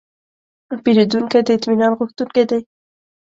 پیرودونکی د اطمینان غوښتونکی دی.